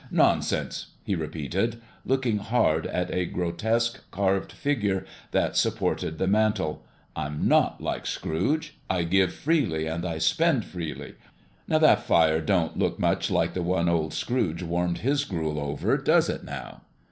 "Nonsense!" he repeated, looking hard at a grotesque, carved figure that supported the mantel: "I'm not like Scrooge. I give freely and I spend freely. That fire don't look much like the one old Scrooge warmed his gruel over, does it now?"